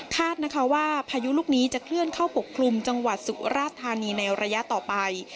ว่าพายุลูกนี้จะเคลื่อนเข้าปกคลุมจังหวัดสุราธานีในระยะต่อไป